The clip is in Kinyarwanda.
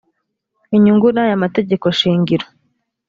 inyungu n aya mategeko shingiro